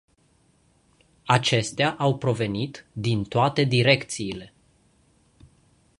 Acestea au provenit din toate direcțiile.